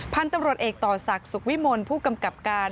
พันธุ์ตำรวจเอกต่อศักดิ์สุขวิมลผู้กำกับการ